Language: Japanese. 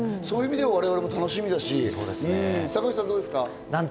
そういう意味では我々も楽しみだし、坂口さん、どうですか？